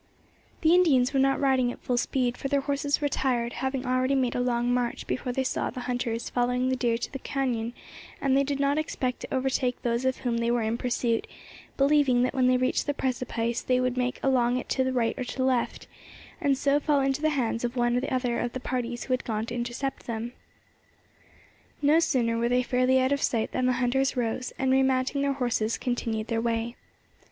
The Indians were not riding at full speed, for their horses were tired, having already made a long march before they saw the hunters following the deer to the cañon, and they did not expect to overtake those of whom they were in pursuit, believing that when they reached the precipice they would make along it to the right or left, and so fall into the hands of one or other of the parties who had gone to intercept them. No sooner were they fairly out of sight than the hunters rose, and, remounting their horses, continued their way.